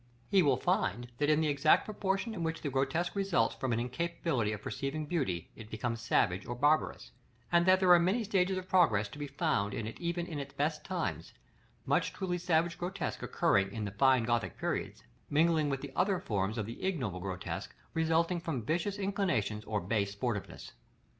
He will find that in the exact proportion in which the grotesque results from an incapability of perceiving beauty, it becomes savage or barbarous; and that there are many stages of progress to be found in it even in its best times, much truly savage grotesque occurring in the fine Gothic periods, mingled with the other forms of the ignoble grotesque resulting from vicious inclinations or base sportiveness.